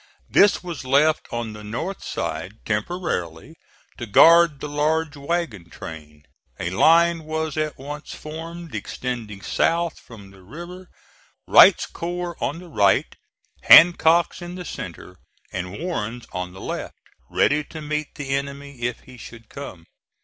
This was left on the north side temporarily to guard the large wagon train. A line was at once formed extending south from the river, Wright's corps on the right, Hancock's in the centre, and Warren's on the left, ready to meet the enemy if he should come.